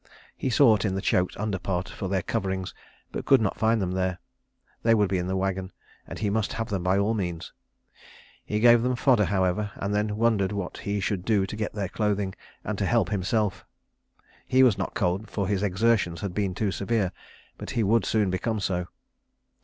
He sought in the choked underpart for their coverings, but could not find them there. They would be in the wagon, and he must have them by all means. He gave them fodder, however, and then wondered what he should do to get their clothing, and to help himself. He was not cold, for his exertions had been too severe, but he would soon become so.